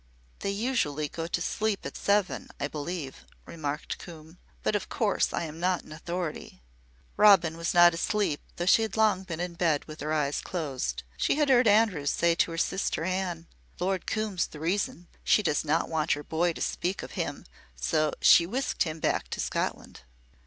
"They usually go to sleep at seven, I believe," remarked Coombe, "but of course I am not an authority." Robin was not asleep, though she had long been in bed with her eyes closed. She had heard Andrews say to her sister Anne: "Lord Coombe's the reason. She does not want her boy to see or speak to him, so she whisked him back to Scotland."